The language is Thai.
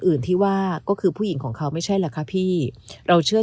อื่นที่ว่าก็คือผู้หญิงของเขาไม่ใช่แหละค่ะพี่เราเชื่อ